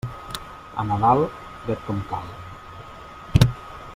A Nadal, fred com cal.